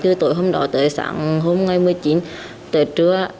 từ tối hôm đó tới sáng hôm ngày một mươi chín tới trưa